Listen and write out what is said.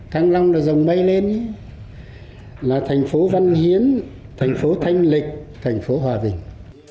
thăng long là dòng bay lên là thành phố văn hiến thành phố thanh lịch thành phố hòa bình